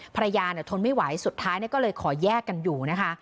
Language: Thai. ภรรยาทนไม่ไหวสุดท้ายก็เลยขอแยกกันอยู่นะคะ